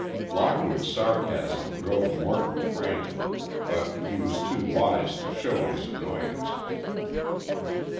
Lockwood's sarcasm drove Morton frantic, but he was too wise to show his annoyance.